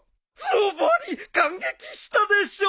ズバリ感激したでしょう！